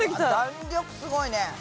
弾力すごいね。